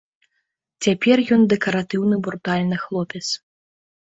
Цяпер ён дэкаратыўны брутальны хлопец.